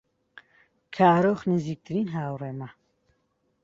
کارۆخ نزیکترین هاوڕێمە.